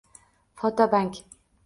Fotobank